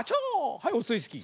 はいオスイスキー。